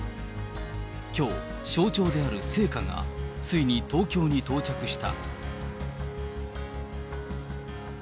きょう、象徴である聖火が、ついに東京に到着した。